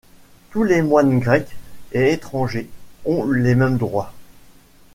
Tous les moines, grecs et étrangers, ont les mêmes droits.